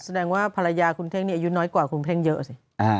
แสดงว่าภรรยาคุณเท่งนี่อายุน้อยกว่าคุณเพ่งเยอะสิ